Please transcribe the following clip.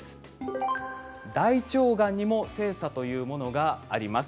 大腸がんにも性差というものがあります。